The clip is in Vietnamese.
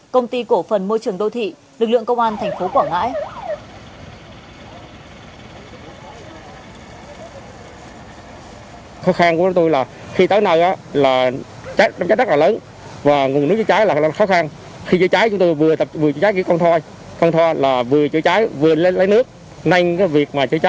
công ty cổ phần môi trường đô thị lực lượng công an thành phố quảng ngãi